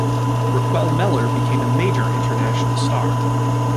Raquel Meller became a major international star.